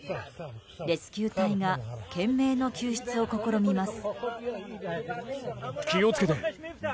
レスキュー隊が懸命の救出を試みます。